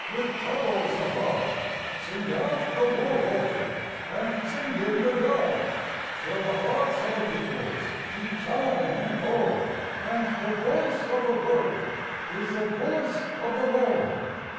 with chorals of love Sing out the war vulture and sing in the dove, Till the hearts of the peoples keep time in accord, And the voice of the world is the voice of the Lord!